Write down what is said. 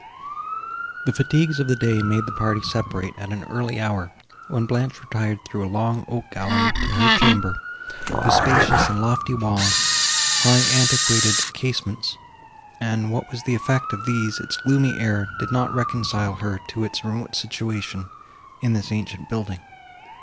The fatigues of the day made the party separate at an early hour, when Blanche retired through a long oak gallery to her chamber, whose spacious and lofty walls, high antiquated casements, and, what was the effect of these, its gloomy air, did not reconcile her to its remote situation, in this ancient building.